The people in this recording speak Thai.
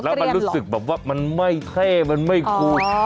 แล้วมันรู้สึกแบบว่ามันไม่เท่มันไม่คู